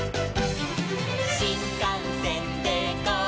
「しんかんせんでゴー！